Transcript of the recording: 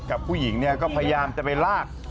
กับผู้หญิงเนี่ยก็พยายามจะไปลาก